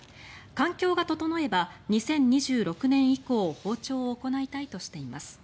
環境が整えば２０２６年以降放鳥を行いたいとしています。